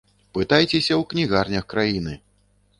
Пытайцеся ў кнігарнях краіны!